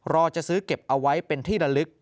รอจะซื้อเก็บเอาไว้เป็นที่ละลึก